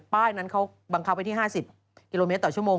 ป้ายนั้นเขาบังคับไว้ที่๕๐กิโลเมตรต่อชั่วโมง